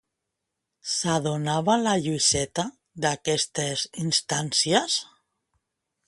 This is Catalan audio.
S'adonava la Lluïseta d'aquestes instàncies?